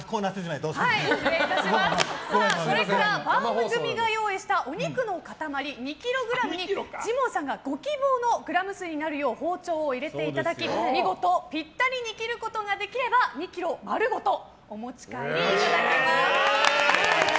これから番組が用意したお肉の塊２ｋｇにジモンさんがご希望のグラム数になるよう包丁を入れていただき見事ぴったりに切ることができれば２ｋｇ丸ごとお持ち帰りいただけます。